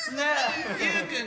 ゆうくん